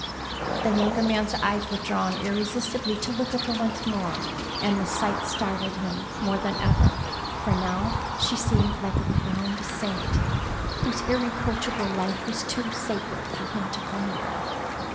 The younger man's eyes were drawn irresistibly to look at her once more, and the sight startled him more than ever, for now she seemed like a crowned saint, whose irreproachable life was too sacred for him to come near.